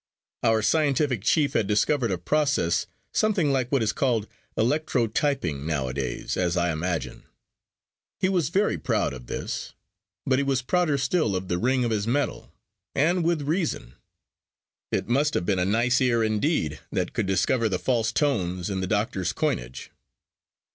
Our scientific chief had discovered a process something like what is called electrotyping nowadays, as I imagine. He was very proud of this; but he was prouder still of the ring of his metal, and with reason: it must have been a nice ear indeed that could discover the false tones in the doctor's coinage.